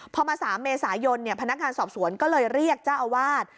พอมา๓เมษายนพนักงานสอบสวนก็เลยเรียกเจ้าอาวาส